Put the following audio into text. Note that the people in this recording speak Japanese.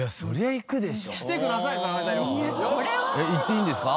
えっ行っていいんですか？